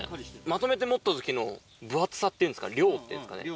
まとめて持った時の分厚さっていうんですかね